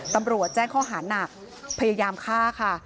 ตำรวจแจ้งข้อหานักพยายามฆ่าค่ะ